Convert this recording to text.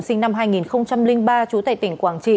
sinh năm hai nghìn ba chủ tịch tỉnh quảng trị